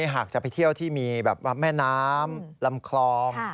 หากจะไปเที่ยวที่มีแบบว่าแม่น้ำลำคลอง